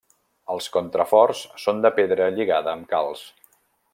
Els contraforts són de pedra lligada amb calç.